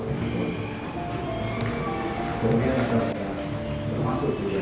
erfahren dan sepertinya